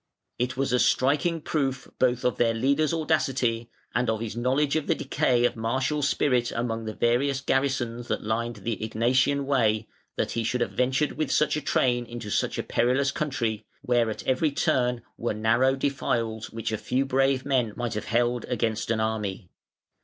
It was a striking proof both of their leader's audacity and of his knowledge of the decay of martial spirit among the various garrisons that lined the Egnatian Way, that he should have ventured with such a train into such a perilous country, where at every turn were narrow defiles which a few brave men might have held against an army.